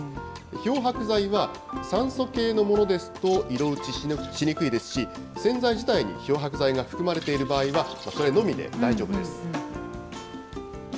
漂白剤は酸素系のものですと色落ちしにくいですし、洗剤自体に漂白剤が含まれている場合はそれのみで大丈夫です。